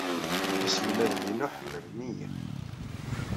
Iselmaden-inu ḥemmlen-iyi.